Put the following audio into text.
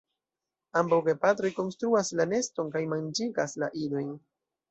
Ambaŭ gepatroj konstruas la neston kaj manĝigas la idojn.